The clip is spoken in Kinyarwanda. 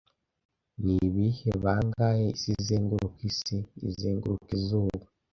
Nibihe bangahe isi izenguruka isi izenguruka izuba